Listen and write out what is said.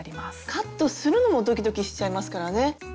カットするのもドキドキしちゃいますからね。